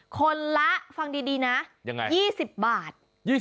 คนละฟังดีนะ๒๐บาท